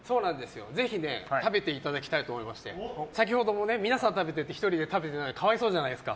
ぜひ食べていただきたいと思いまして先ほども皆さん食べてて１人だけ食べてない可哀想じゃないですか。